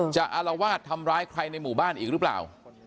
อารวาสทำร้ายใครในหมู่บ้านอีกหรือเปล่า